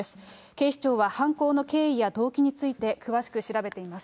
警視庁は犯行の経緯や動機について詳しく調べています。